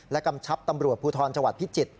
กำชับตำรวจภูทรจังหวัดพิจิตร